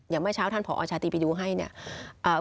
เมื่อเช้าท่านผอชาตรีไปดูให้เนี่ย